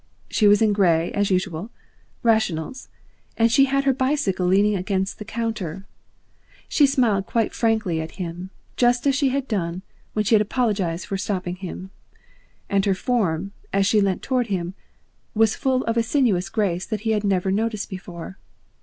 She was in grey as usual, rationals, and she had her bicycle leaning against the counter. She smiled quite frankly at him, just as she had done when she had apologised for stopping him. And her form, as she leant towards him, was full of a sinuous grace he had never noticed before.